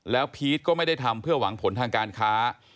แล้วพีชก็ไม่ได้ทำเพื่อหวังผลทางการค้า